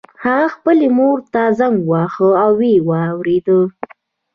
هغه خپلې مور ته زنګ وواهه او ويې واورېده.